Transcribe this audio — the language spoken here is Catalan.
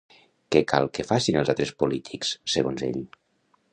Què cal que facin els altres polítics, segons ell?